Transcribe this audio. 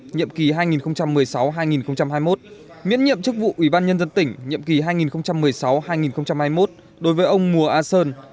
nhiệm kỳ hai nghìn một mươi sáu hai nghìn hai mươi một miễn nhiệm chức vụ ủy ban nhân dân tỉnh nhiệm kỳ hai nghìn một mươi sáu hai nghìn hai mươi một đối với ông mùa a sơn